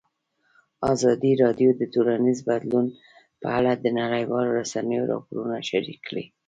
ازادي راډیو د ټولنیز بدلون په اړه د نړیوالو رسنیو راپورونه شریک کړي.